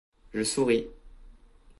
Je souris.